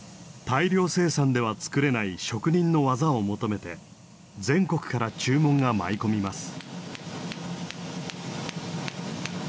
大量生産では作れない職人の技を求めて全国から注文が舞い込みます。